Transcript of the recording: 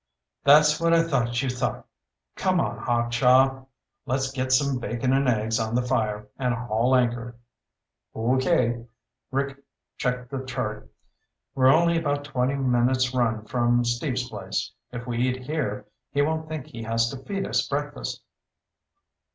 "That's what I thought you thought. Come on, Hawkshaw. Let's get some bacon and eggs on the fire and haul anchor." "Okay." Rick checked the chart. "We're only about twenty minutes' run from Steve's place. If we eat here, he won't think he has to feed us breakfast."